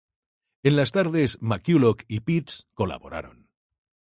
En las tardes McCulloch y Pitts colaboraron.